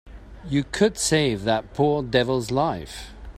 You could save that poor devil's life.